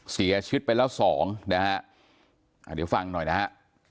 เสียชีวิตไปแล้วสองนะฮะอ่าเดี๋ยวฟังหน่อยนะฮะ